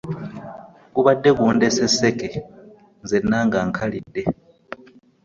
Gubadde gundese sseke nzenna nga nkalidde .